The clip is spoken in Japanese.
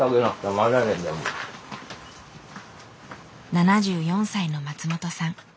７４歳の松本さん。